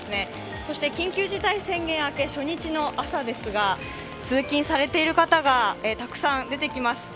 そして緊急事態宣言明け初日の朝ですが通勤されている方がたくさん出てきます。